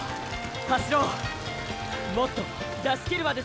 走ろうもっと出し切るまでさ。